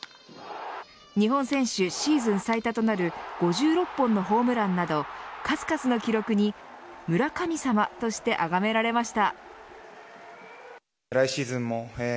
日本選手シーズン最多となる５６本のホームランなど数々の記録に、村神様としてあがめられました。